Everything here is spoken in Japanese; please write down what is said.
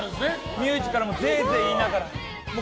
ミュージカルもぜえぜえ言いながら。